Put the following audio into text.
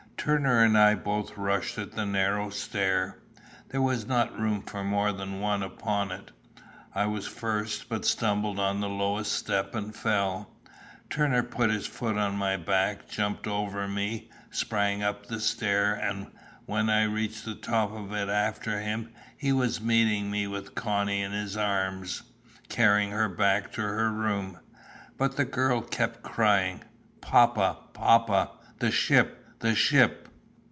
Turner and I both rushed at the narrow stair. There was not room for more than one upon it. I was first, but stumbled on the lowest step and fell. Turner put his foot on my back, jumped over me, sprang up the stair, and when I reached the top of it after him, he was meeting me with Connie in his arms, carrying her back to her room. But the girl kept crying "Papa, papa, the ship, the ship!"